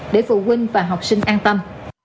để phụ huynh và học sinh an tâm